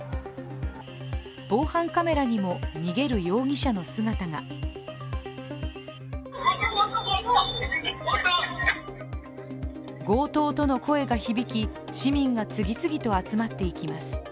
防犯カメラにも逃げる容疑者の姿が「強盗」との声が響き、市民が次々と集まっていきます。